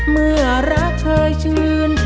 เมื่อรักเคยชื้น